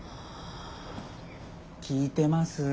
聞いてます？